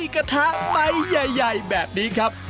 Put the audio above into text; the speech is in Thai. กระทะใบใหญ่แบบนี้ครับ